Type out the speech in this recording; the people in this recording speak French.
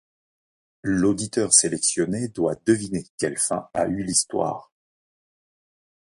L'auditeur sélectionné doit deviner quelle fin a eu l'histoire.